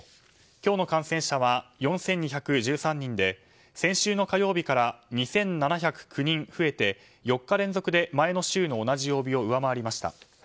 今日の感染者は４２１３人で先週の火曜日から２７０９人増えて４日連続で前の週の同じ曜日を上回りました。